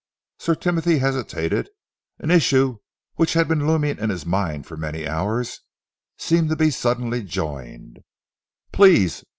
Sir Timothy hesitated. An issue which had been looming in his mind for many hours seemed to be suddenly joined. "Please!"